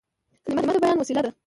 کلیمه د بیان وسیله ده.